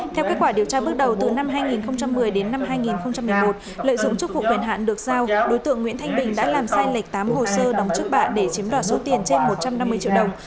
theo kết quả điều tra bước đầu từ năm hai nghìn một mươi đến năm hai nghìn một mươi một lợi dụng chức vụ quyền hạn được giao đối tượng nguyễn thanh bình đã làm sai lệch tám hồ sơ đóng trước bạn để chiếm đoạt số tiền trên một trăm năm mươi triệu đồng